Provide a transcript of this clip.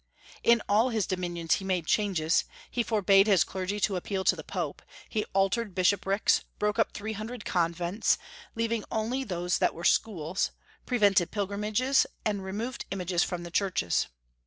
In all his dominions he made changes. He for bade his clergy to appeal to the Pope, he altered bishoprics, broke up three hundred convents, leav ing only those that were schools, prevented pilgrim ages, and removed images from the churches.